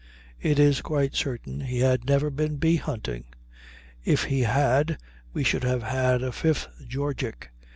It is quite certain he had never been bee hunting. If he had we should have had a fifth Georgic.